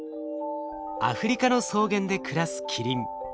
アフリカの草原で暮らすキリン。